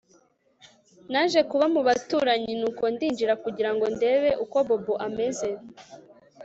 Naje kuba mu baturanyi nuko ndinjira kugira ngo ndebe uko Bobo ameze